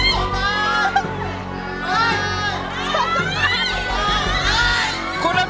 คุณน้ำทิพย์ร้อง